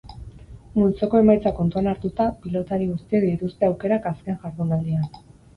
Multzoko emaitzak kontuan hartuta, pilotari guztiek dituzte aukerak azken jardunaldian.